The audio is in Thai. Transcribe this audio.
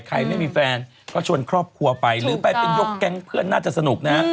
ไม่มีแฟนก็ชวนครอบครัวไปหรือไปเป็นยกแก๊งเพื่อนน่าจะสนุกนะ